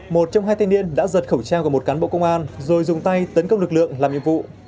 một trong hai thanh niên đã giật khẩu trang của một cán bộ công an rồi dùng tay tấn công lực lượng làm nhiệm vụ